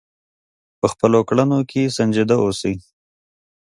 په خپلو کړنو کې سنجیده اوسئ.